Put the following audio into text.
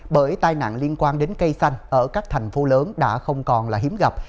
bởi tai nạn liên quan đến cây xanh ở các thành phố lớn đã không còn là hiếm gặp